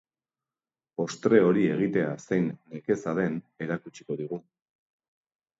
Postre hori egitea zein nekeza den erakutsiko digu.